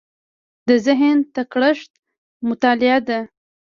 د ذهن تکړښت مطالعه ده.